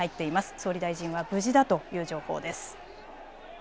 総理大臣は無事だという情報です。